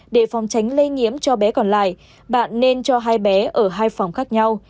để phòng tránh lây nhiễm cho bé còn lại bạn nên cho hai bé ở hai phòng khác nhau